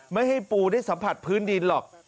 ไม่ให้ปูได้สัมผัสพื้นดินหรอก